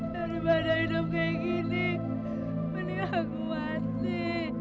daripada hidup kayak gini meni aku mati